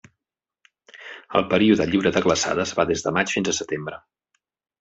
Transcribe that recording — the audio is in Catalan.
El període lliure de glaçades va des de maig fins a setembre.